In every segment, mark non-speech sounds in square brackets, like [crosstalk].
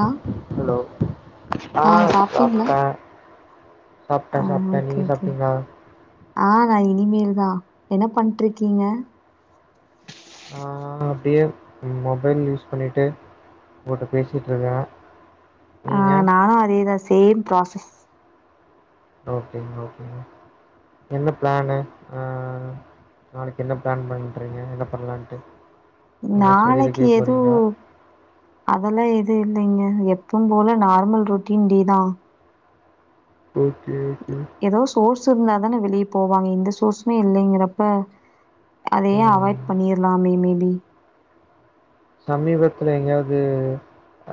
ஆ hello ஆ சாப்டே ஆ சாப்ட்டே சாப்ட்டே ஓகே நீங்க ஓகே சாப்ட்டீங்ளா ஆ நா இனிமேல் தா என்ன பண்ட்ருக்கீங்க ஆ அப்டியே மொபைல் யூஸ் பண்ணிட்டு ஓன்ட்ட பேசிட்ருக்கே ஆ நீங்க நானு அதேதா சேம் ப்ராசஸ் ஓகேங் ஓகேங்க என்ன பிளானு ஆ நாளைக்கு என்ன பிளான் பண்றீங்க என்ன பண்ணலான்ட்டு நாளைக்கு எது அதெல்லா எது இல்லைங்க எப்பம்போல நார்மல் ரொட்டீன் டே தா ஓகே ஓகே எதோ சோர்ஸ் இருந்தா தான வெளிய போவாங்க எந்த சோர்ஸ்சுமே இல்லைங்கிறப்ப அதையே ம் அவாய்ட் பண்ணிர்லாமே மே பி சமீபத்துல எங்கயாவ்து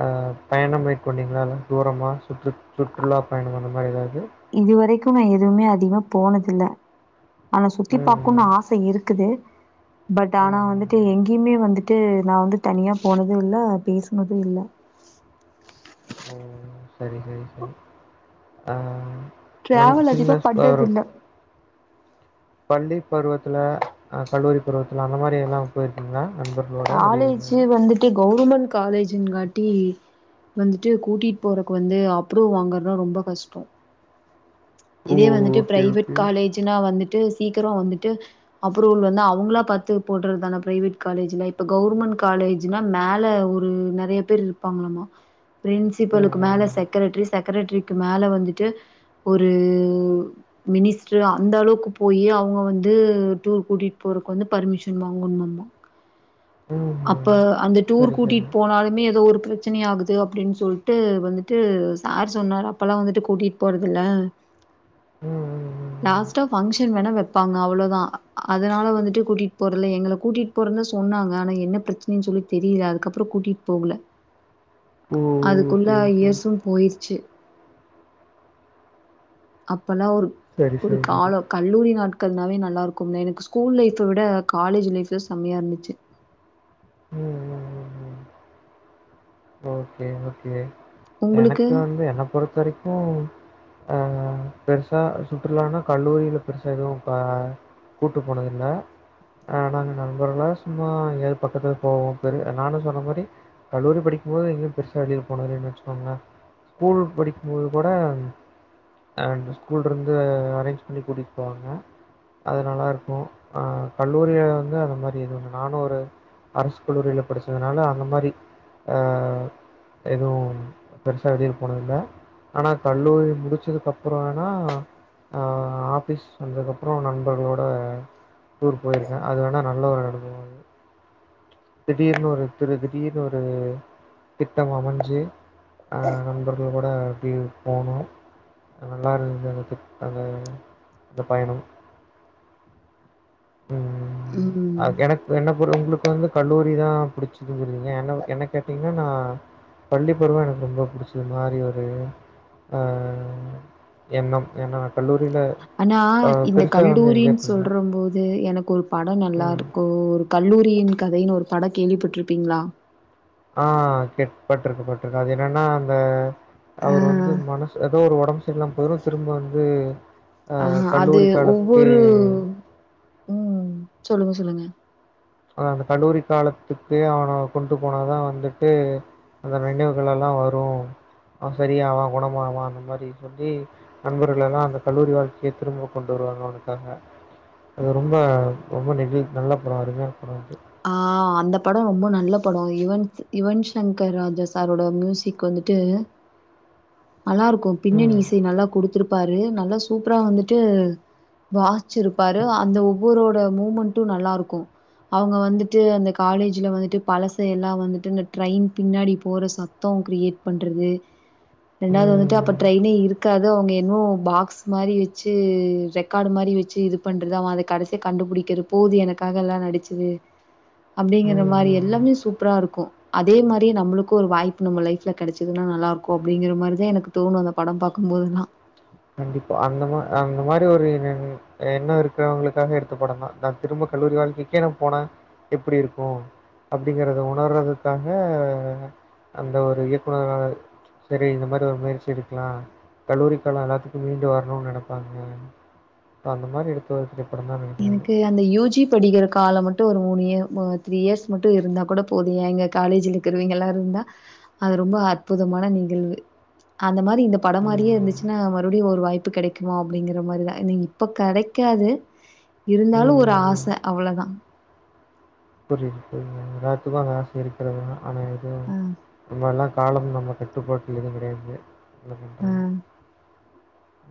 அ பயணம் மேக்கொண்டீங்ளா எதா தூரமா சுற்று சுற்றுலா பயணம் அந்த மாரி எதாவ்து இதுவரைக்கு நா எதுமே அதிகமா போனதில்ல ஆனா சுத்தி பாக்குன் ம் ஆச இருக்குது பட் ம் ஆனா ம் வந்து ட்டு ம் எங்கேயுமே வந்துட்டு நா வந்து தனியா போனது இல்ல பேசுனது இல்ல ம் செரி செரி செரி ஆ நா டிராவல் அதிகமா சின்ன அவரு பண்றதில்ல பள்ளி பருவத்துல அ கல்லூரி பருவத்துல அந்தமாரி எல்லா போய்ருக்கீங்ளா நண்பர்களோட வெளில காலேஜ் எங்கயாது வந்துட்டு கவுர்மெண்ட் காலேஜுங்காட்டி வந்துட்டு கூட்டிட் போறக்கு வந்து அப்ரூ வாங்கறதா ரொம்ப கஷ்டோ ஓ! இதே வந்துட்டு ஓகே, ப்ரைவேட் ஓகே. காலேஜுனா வந்துட்டு சீக்கரோ வந்துட்டு அப்ரூவல் வந்து அவுங்களா பாத்து போட்றத்தான ப்ரைவேட் காலேஜுல இப்ப கவுர்மெண்ட் காலேஜ் சுனா மேல ஒரு நறைய பேர் இருப்பாங்ளாமா ம், ப்ரின்சிபலுக்கு ம், மேல ம். செக்கரட்ரி செக்கரட்ரிக்கு மேல வந்துட்டு ஒரு மினிஸ்ரு அந்த அளவுக்கு போய் அவுங்க வந்து டூர் கூட்டிட் போறக் வந்து பர்மிஷன் வாங்கணுமாமா ம்ஹ்ம். அப்ப அந்த டூர் சரி, சரி. கூட்டிட் போனாலுமே எதோ ஒரு ப்ரச்சனை ஆகுது அப்டின் சொல்ட்டு வந்துட்டு சார் சொன்னாரா அப்பல்லா வந்துட்டு கூட்டிட் போறதுல்ல ம், ம், ம், ம். லாஸ்டா பங்ஷன் வேணா வெப் பாங்க அவ்ளோதா அதனால வந்துட்டு கூட்டிட் போறல எங்கள கூட்டிட் போறனு சொன்னாங்க என்ன ப்ரச்சனைன் சொல்லி தெரில அதுக்கு அப்பறோ கூட்டிட் போகல ஓ! அதுக்குள்ள ஓகே, ஓகே. இயர்சு போய்ருச்சு அப்பல்லா ஒரு சரி, ஒரு சரி, சரி. காலோ கல்லூரி நாட்கள்னாவே நல்லாருக்குங்க எனக்கு ஸ்கூல் லைஃப்ப விட காலேஜ் லைஃப்புதா செமயா இருந்துச்சு ம் ம் ம் ம் ஓகே ஓகே உங்களுக்கு எனக்கு வந்து என்ன பொறுத்த வரிக்கு ஆ பெருசா சுற்றுலானா கல்லூரில பெருசா எது ப கூட்டு போனதில்ல ஆனா நாங்க நண்பர்களா சும்மா எங்கயாது பக்கத்துல போவோ நானு சொன்ன மாரி கல்லூரி படி போது எங்கயு பெருசா வெளிய போனதில்லன் வெச்சுக்கோங்களே ஸ்கூல் படிக்கும்போது கூட அண்ட் ஸ்கூல் இருந்து அரேஞ்ச் பண்ணி கூட்டிட் போவாங்க அது நல்லாருக்கு ஆ கல்லூரில வந்து அந்த மாரி எது ஒன்னு நானு ஒரு அரசு கல்லூரில படிச்சதுனால அந்த மாரி ஆ எதுவு பெருசா வெளில போனதுல்ல ஆனா கல்லூரி முடிச்சதுக்கு அப்புறோ வேணா ஆ ஆபிஸ் வந்தக்கப்பறோ நண்பர்களோட டூர் போய்ருக்கே அது வேணா நல்ல ஒரு அனுபவோ அது திடீர்னு ஒரு திரு திடீர்னு ஒரு திட்டம் அமச்சு ஆ நண்பர்கள்கூட இப்டியே போனோ நல்லா இருந்தது அந்த ட்ரிப் அந்த பயணோ ம் ம் அ எனக்கு என்ன பொரு உங்குளுக்கு வந்து கல்லூரிதா புடிச்சிதூங்றீங்க என்ன என்ன கே ட்டிங்னா நா பள்ளி பருவோ எனக்கு ரொம்ப புடிச்சதுமாரி ஒரு ஆ எண்ணம் எனா கல்லூரில ஆனா இந்த கல்லூரின் சொல்றம்போது எனக்கு ஒரு படோ ம் நல்லாருக்கு ஒரு கல்லூரியின் கதைனு ஒரு படோ கேள்விப் பட்டுருப்பீங்ளா ஆ கேட் பட்டுருக்கே பட்டுருக்கே அது என்னன்னா அந்த ஆ அவர் வந்து மனசு எதோ ஒரு ஒடம்பு செரியில்லாம போய்ரு திரும்ப வந்து ஆஹ அஹ், அது கல்லூரி காலத்துக்கே ஒவ்வொரு ம் சொல்லுங்க சொல்லுங்க அ அந்த கல்லூரி காலத்துக்கு அவன கொண்டு போனாதான் வந்துட்டு அந்த நினைவுகள் எல்லாம் வரும் அவன் சரியாவான் குணமாவான் அந்த மாரி சொல்லி நண்பர்கள் எல்லாம் அந்த கல்லூரி வாழ்க்கையை திரும்ப கொண்டு வருவாங்க அவனுக்காக அது ரொம்ப ரொம்ப நெ நல்ல படம் அருமையான படம் அது ஆ அந்த படம் ரொம்ப நல்ல படம் யுவன் யுவன் சங்கர் ராஜா சாரோட மியூசிக் வந்துட்டு நல்லா இருக்கும் பின்னணி ம் இசை நல்லா கொடுத்துருப்பாரு நல்லா சூப்பரா வந்துட்டு வாசிச்சு இருப்பாரு அந்த ஒவ்வொரோட மூமெண்ட்டும் நல்லா இருக்கும் அவுங்க வந்துட்டு அந்த காலேஜில்ல வந்துட்டு பழசெல்லாம் வந்துட்டு அந்த ட்ரெயின் பின்னாடி போற சத் தம் கிரியேட் பண்றது ரெண்டாவது வந்துட்டு அப்ப ம் ட்ரெயின்னே இருக்காது ப்ரோ நீ இன்னும் பாக்ஸ் மாரி வச்சு ரெக்கார்டு மாரி வச்சு இது பண்றது அவ அத கடைசியா கண்டுபிடிக்கிற போது எனக்காக எல்லாம் நடிச்சது ம் அப்டிங்கிற மாரி ம் எல்லாமே சூப்பரா இருக்கும் அதே மாரி நம்மளுக்கும் ஒரு வாய்ப்பு நம்ம லைப்ல கிடைச்சதுன்னா நல்லா இருக்கும் அப்படிங்கிற மாரிதான் எனக்கு தோணும் அந்த படம் பார்க்கும் போதல்லாம் கண்டிப்பா அந்த மா அந்த மாரி ஒரு நி என்ன இருக்கிறவங்களுக்காக எடுத்த படம் தா நா திரும்ப கல்லூரி வாழ்க்கைகே போனா எப்டி இருக்கும் அப்டிங்கறத உணர்றதுக்காக அந்த ஒரு இயக்குனரா சரி இந்த மாரி ஒரு முயற்சி எடுக்கலாம் கல்லூரி கால எல்லாத்துக் மீண்டு வரணும்னு நினைப்பாங்க இப்போ அந்த மாரி எடுத்து ஒருசில படம் தான் நினைக்கிறா இது எனக்கு அந்த யூஜி படிக்கிற காலம் மட்டும் ஒரு மூணு இயர் மு த்ரீ இயர்ஸ் மட்டும் இருந்தா கூட போதும்ங்க ஏன் எங்க காலேஜிலே நீங்களா இருந்தா அது ரொம்ப அற்புதமான நிகழ்வு அந்த மாரி இந்த பட ம், மாரியே ம். இருந்துச்சுனா மறுபடி ஒரு வாய்ப்பு கிடைக் குமா அப்டிங்கிற மாரிதான் இந் இப்ப கிடைக்காது ம், இருந்தாலும் ஒரு ம், ஆச அவ்ளோதா புரிது புரிது எல்லாத்துக்கும் அந்த ஆச இருக்கிறது தான் ஆனா எதுவும் அ, நம்மல்லாம் காலம் நம்மக்கு கட்டுப்பாட்டில் எதும் கிடையாது என்ன அ. பண்ணுறாங்க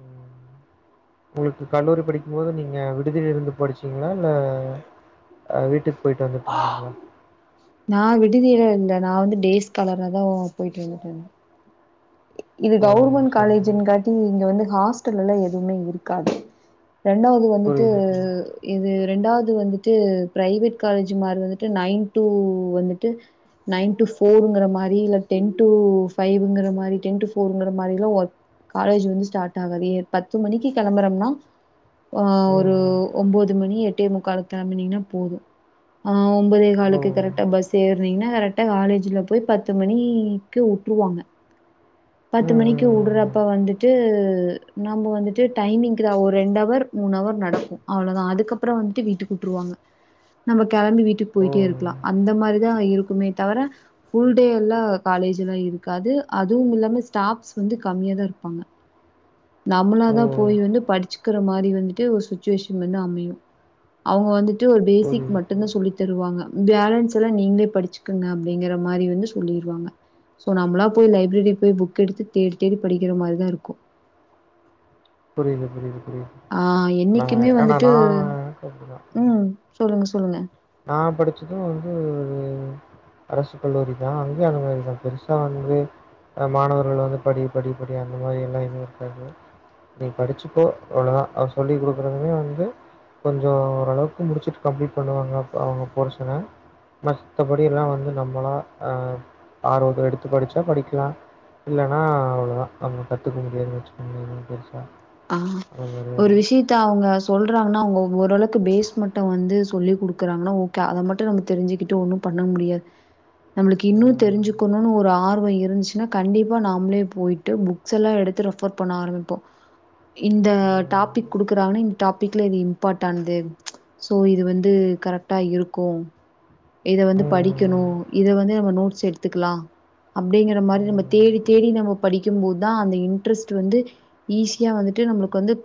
ம் உங்களுக்கு கல்லூரி படிக்கும் போது நீங்க விடுதில இருந்து படிச் சிருகிங்களா இல்ல அ வீட்டுக்கு போய்ட்டு வந்துட்டு இரு ஆ நா விடுதியில இல்ல நா வந்து டேஸ்கலராதா போய்ட்டு இருந் வந்துட்டு இருந்தேன் இது ஓ! கவுவர்மெண்ட் சரி, காலேஜ் சரி. இங்க டீ இங்க வந்து ஹாஸ்டல்ல எல்ல எதுவுமே இருக்காது ரெண்டாவது வந்துட்டு புரியுது, புரியுது. இது ரெண்டாவது வந்துட்டு பிரைவேட் காலேஜ் மாரி வந்துட்டு நைன் டூ வந்துட்டு நைன் டூ போருங்கிற மாரி இல்ல டென் டூ பைவ்ங்கிற மாரி டென் டூ போர்ங்கிற மாரிலா ஒர்க் காலேஜ் வந்து ஸ்டார்ட் ஆவாது பத்து மணிக்கு கிளம்புறோம்னா ஆ ஒரு ம், ம். ஒன்போது மணி எட்டே முக்கால் கிளம்பினீங்கன்னா போதும் ஆ ஒன்பதே ஓ! காலுக்கு கரெக்ட் டா பஸ் ஏறனீங்கன்னா கரெக்டா காலேஜ்ல போய் பத்து மணிக்கு வுட்டுருவாங்க பத்து ம், ம், மணிக்கு ம், ம். உடுறப்ப வந்துட்டு நம்ம வந்துட்டு டைமிங்கு தா ஒரு ரெண்டு அவர் மூணுஹவர் நடக்கும் அவ்ளோதா அதுக்கப்புறம் வந்துட்டு வீட்டுக்கு விட்டுருவாங்க நம்ம கிளம்பி வீட்டுக்கு ஓ! போயிட்டே இருக்கலா அந்த மாரிதான் இருக்குமே தவிர புல் டே எல்லா காலேஜ்லா இருக்காது அ தும் இல்லாம ஸ்டாப் வந்து கம்மியா தான் இருப்பாங்க நம்மளதா ஓ! போய் வந்து படிச்சு இருக்கற மாரி வந்துட்டு ஒரு சுச்சுவேஷன் வந்து அமையும் அவங்க வந்துட்டு ஒரு பேசிக் புரியுது, மட்டும்தா புரியுது. சொல்லி தருவாங்க பேலன்ஸ் எல்லா நீங்களே படிச்சுக்குங்க அப்டிங்கற மாரி வந்து சொல்லிருவாங்க சோ நம்மளா போய் லைப்ரேரி போய் புக் எடுத்து தேடி தேடி படிக்கிற மாரிதா இருக்கும் புரியிது புரியிது புரிது ஆ என்னைக்குமே வந்துட்டு எனக்கு ம் சொல்லுங்க சொல்லுங்க நா படுச்சது வந்து ஒரு அரசு கல்லூரி தா அங்கயு அது மாரி தா பெருசா வந்து மாணவர்கள வந்து படி படி படி அந்த மாரி எல்லா எதூ இருக்காது நீ படிச்சுக்கோ அவ்ளோதா அது சொல்லி் குடுக்குறதுமே வந்து கொஞ்சோ ஓரளவுக்கு முடுச்சுட்டு கம்ப்ளீட் பண்ணுவாங்க அப் அவுங்க போசன மத்தபடி எல்லா வந்து நம்மளா அ ஆர்வோது எடுத்து படுச்சா படிக்கலா இல்லனா அவ்ளோதா அவுங்க கத்துக்க முடியாதுன் வச்சுக்குங்குளே எதுமே பெருசா ஆ அந்த மாரியா ஒரு இருக்கும். விஷியத் த்த அவுங்க சொல்றாங்கன்னா அவுங்க ஓரளவுக்கு பேஸ் மட்டு வந்து சொல்லிக் குடுக்குறாங்கன்னா ஓ க அத மட்டு நம்ம தெரிஞ்சுக்கிட்டு ஒண்ணு பண்ண முடியாது நம்மளுக்கு இன்னு ம். தெரிஞ்சுக்கணுனு ஒரு ஆர்வோ இருன்ச்சு னா கண்டிப்பா நாமளே போயிட்டு புக்ஸ் எல்லா எடுத்து ரெஃபர் பண்ண ஆரம்பிப்போ இந்த ம். டாபிக் குடுக்குறாங்கன்னா இ டாபிக்ல இது இம்பார்ட்டானது சோ இது வந்து கரெக்டா இருக்கு இத வந்து படிக்கணு ம், இத வந்து நம்ம நோட்ஸ் எடுத்துக்கலா அப்டிங்கற மாரி நம்ம ம், தேடி தேடி நம்ம படிக்கும் போதா அந்த இன்ட்ரஸ்ட் வந்து ஈஸி யா வந்துட்டு நம்மளுக்கு வந்து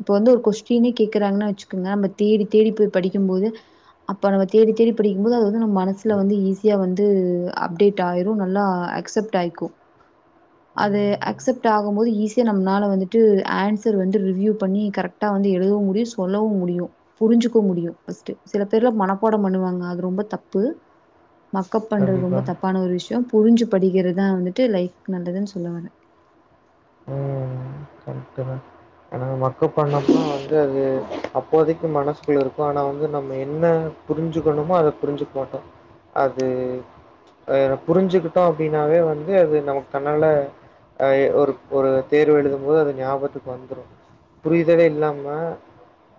இப்ப வந்து ஒரு கொஸ்டினே கேக்குறாங்கன்னா வச்சுக்கங்க நம்ம தேடி தேடி போய் படிக்கும் போது அப்ப நம்ம தேடி தேடி படிக்கும் போது அது வந்து நம்ம மனசுல வந்து ஈஸியா வந்து அப்டேட் ஆயிரு நல்லா அக்சப்ட் ஆய்க்கும் அது ம். அக்சப்ட் ஆகும்போது ஈஸியா நம்மனால வந்து ட்டு ஆன்சர் வந்து ரிவ்வியூ பண்ணி கரக்டா வந்து எழுதவு முடியு சொல்லவு முடியு புரிஞ்சுக்க முடியு ஃபர்ஸ்ட்டு சில பேர்லா மனப்பாடோ பண்ணுவாங்க அது ரொம்ப தப்பு மக்கப் பண்றது ரொம்ப கண்டிப்பா. தப்பான ஒரு விஷ்யோ புருஞ்சு படிக்கிறதுதா வந்துட்டு லைஃபுக்கு நல்லதுன் சொல்ல வரே கரக்டுங்க மக்க பண்ணோம்னா வந்து அது அப்போதைக்கு மனசுக்குள்ள இருக்கு ஆனா வந்து நம்ம என்ன புரிஞ்சுக்கணுமோ அத புரிஞ்சுக்க மாட்டோ அது அது புரிஞ்சுக்குட்டோ அப்டினாவே வந்து அது நமக்கு கண்ணால அ ஒரு ஒரு தேர்வு எழுதும் போது அது ஞாபகத்துக்கு வந்துறு புரியுதலே இல்லாம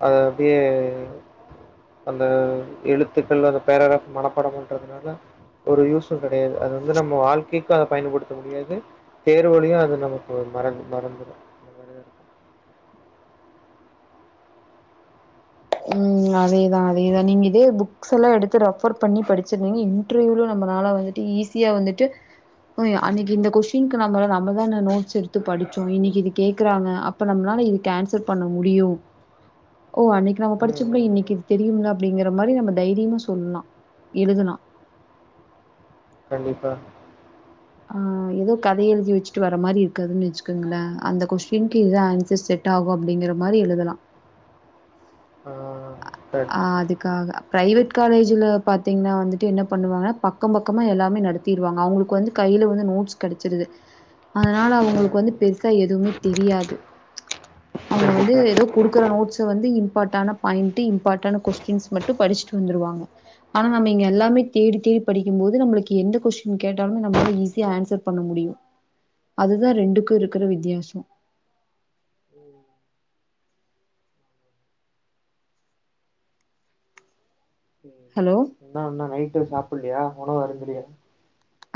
அது அப்டியே அந்த எழுத்துக்கள் அந்த பேராகிராஃப் மனப்பாடம் பண் றதுனால ஒரு யூஸு கெடையாது அது வந்து நம்ம வாழ்க்கைக்கு அத பயன்படுத்த முடியாது தேர்வுலயு அது நமக்கு மறந்து மறந்துறு ம் அதேதா அதேதா நீங்க இதே புக் புக்ஸல்லா எடுத்து ரெஃபர் பண்ணி படுச்சுருந்தீங்க இன்டர்வியூல நம்மனால வந்துட்டு ஈஸியா வந்துட்டு அயோ அன்னக்கி இந்த கொஸ்டின்க்கு நம்ம நம்ம தான நோட்ஸ் எடுத்து படுச்சோ இன்னக்கு இது கேக்குறாங்க அப் அப்ப நம்பலால இதுக்கு ஆன்சர் பண்ண முடியு ஓ அன்னைக்கு நம்ம ம், படுச்சம்ல ம், இன்னைக்கி ம். இது தெரியும்ல அப்டிங்கிற மாரி நம்ம தைரியமா சொல்லலா எழுதலா கண்டிப்பா ஆ எதோ கதை எழுதி வச்சுட்டு வர மாரி இருக்காதுன் வச்சுக்கங்களே அந்த கொஸ்டினுக்கு இதா ஆன்சர் செட் டாகு அப்டிங்கிற மாரி எழுதலா ஆ ஆ ஆ ஆ அதுக்காக பிரைவேட் காலேஜ்ல பாத்தீங்ன்னா வந்துட்டு என்ன பண்ணுவாங்கனா பக்க பக்கமா எல்லாமே நடத் திர்வாங்க அவுங்களுக்கு வந்து கைல வந்து நோட்ஸ் கெடச்சுருது அதுனால அவுங்களுக்கு ம். வந்து பெருசா எதுமே தெரியாது அவுங்க வந்து கண்டிப்பா. எதோ குடுக்குற நோட்ஸ்ஸ வந்து இம்பார்ட்டான பாயிண்ட்டு இம் பார்ட்டான கொஸ்டின்ஸ் மட்டு படிச்சுட்டு வந்துருவாங்க ஆனா நம்ம இங்க எல்லாமே ம். தேடி தேடி படிக்கும்போது நம்மளுக்கு எந்த கொஸ்டின் கேட்டாலும் நம்மளால ஈஸியா ஆன்சர் பண்ண முடியு அதுதா ரெண்டுக்கும் கண்டிப்பா. இருக்குற வித்தியாசோ ம் சரிங்க. ஹலோ என்ன என்னா நைட்டு சாப்புட்லையா உணவு அருந்தலையா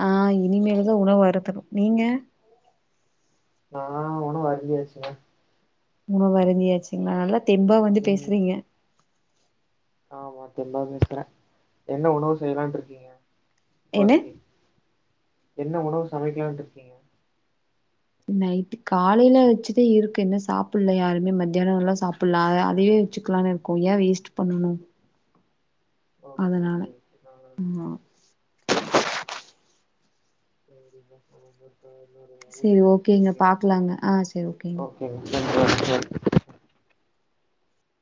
ஆ இனிமேல்தா உணவு அருந்தணு நீங்க நா உணவு அருந்தியாச்சுங்க உணவு அருந்தியாச்சுங்களா நல்லா தெம்பா வந்து ம். பேசுறீங்க ஆமா தெம்ப பேசுறே என்ன உணவு செய்யலான்டு இருக்கீங்க என்ன? இப்போதக்கி என்ன உணவு சமைக்கலான்ட்டு இருக்கீங்க நைட்டு காலையில வச்சதே இருக்கு இன்னு சாப்பில்ல யாருமே மத்தியானொல்லா சாப்புல்லா அ அதயே வச்சுக்கலான்னு இருக் கொய்யா வேஸ்ட் பண்ணணு ஓகே அதனால ஓகே நான் ஆமா சரி செரி ஓகேங்க பாக்கலாங்க ஆ செரி ஓகேங்க எங் [inaudible]